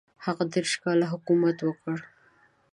هغه دېرش کاله حکومت وکړ.